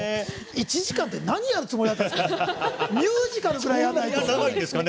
１時間で何やるつもりだったんですかね。